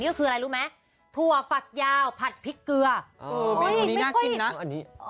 ก็คืออะไรรู้ไหมถั่วฝักยาวผัดพริกเกลือเออเมนูนี้น่ากินนะอันนี้